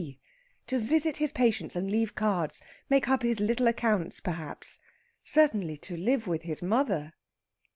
P.; to visit his patients and leave cards, make up his little accounts, perhaps! Certainly to live with his mother...."